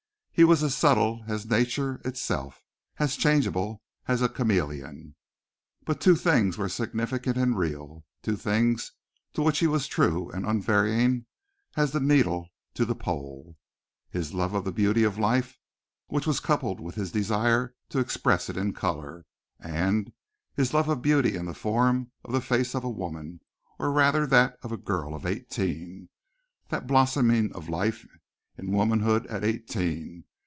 He was as subtle as nature itself; as changeable as a chameleon. But two things were significant and real two things to which he was as true and unvarying as the needle to the pole his love of the beauty of life which was coupled with his desire to express it in color, and his love of beauty in the form of the face of a woman, or rather that of a girl of eighteen. That blossoming of life in womanhood at eighteen!